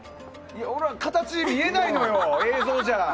俺ら形見えないのよ、映像じゃ。